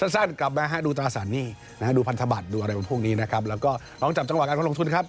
สั้นกลับมาฮะดูตราสารหนี้นะฮะดูพันธบัตรดูอะไรพวกนี้นะครับแล้วก็ลองจับจังหวะการลงทุนครับ